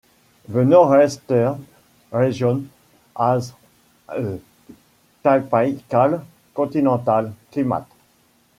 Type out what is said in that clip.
The north-eastern region has a typical continental climate.